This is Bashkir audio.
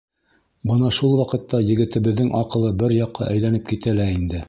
Бына шул ваҡытта егетебеҙҙең аҡылы бер яҡҡа әйләнеп китә лә инде.